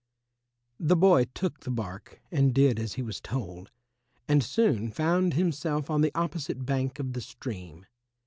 The boy took the bark and did as he was told, and soon found himself on the opposite bank of the stream.